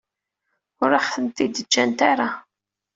Ur aɣ-tent-id-ǧǧant ara.